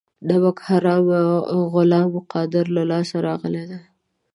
نمک حرامه غلام قادر له لاسه راغلي دي.